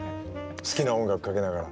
好きな音楽かけながら。